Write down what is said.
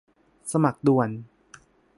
สมัครด่วน